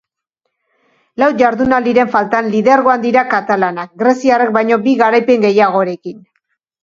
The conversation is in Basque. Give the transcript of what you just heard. Lau jardunaldiren faltan, lidergoan dira katalanak greziarrek baino bi garaipen gehiagorekin.